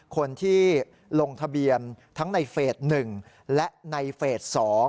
คนที่ลงทะเบียนทั้งในเฟส๑และในเฟส๒